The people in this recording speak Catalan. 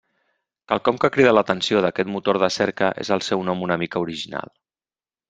Quelcom que crida l'atenció d'aquest motor de cerca és el seu nom una mica original.